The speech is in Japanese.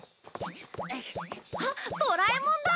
あっドラえもんだ！